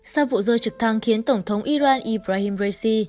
sau vụ rơi trực thăng khiến tổng thống iran ibrahim raisi